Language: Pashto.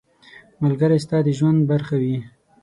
ملګری ستا د ژوند برخه وي.